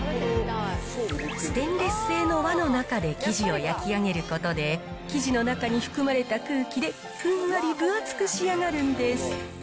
ステンレス製の輪の中で生地を焼き上げることで、生地の中に含まれた空気で、ふんわり分厚く仕上がるんです。